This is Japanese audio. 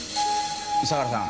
相良さん